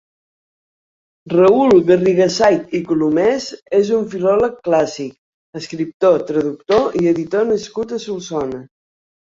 Raül Garrigasait i Colomés és un filòleg clàssic, escriptor, traductor i editor nascut a Solsona.